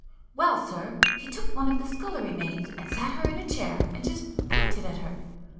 "Well, sir, he took one of the scullery maids and sat her in a chair and just pointed at her.